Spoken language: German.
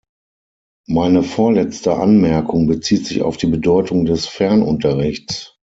Meine vorletzte Anmerkung bezieht sich auf die Bedeutung des Fernunterrichts.